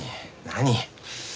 何？